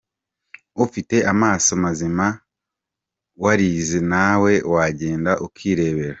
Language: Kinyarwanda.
Ufite amaso mazima, warize nawe wagenda ukirebera.